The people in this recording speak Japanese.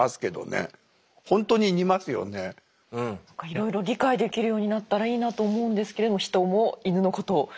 いろいろ理解できるようになったらいいなと思うんですけれどもヒトもイヌのことを。